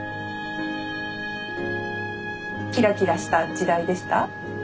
キラキラした時代でした？